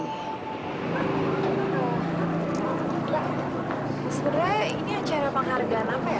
sebenarnya ini acara penghargaan apa ya